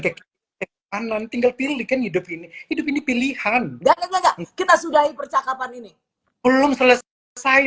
ke kanan tinggal pilih kan hidup ini hidup ini pilihan jangan kita sudahi percakapan ini belum selesai